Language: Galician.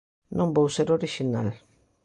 Non vou ser orixinal.